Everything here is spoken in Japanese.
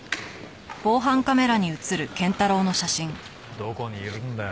どこにいるんだよ